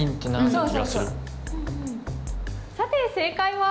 さて正解は？